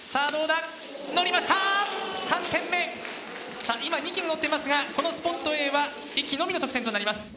さあ今２機乗っていますがこのスポットＡは１機のみの得点となります。